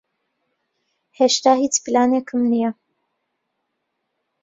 ھێشتا ھیچ پلانێکم نییە.